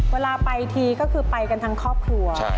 เวลาไปทีก็คือไปกันทั้งครอบครัว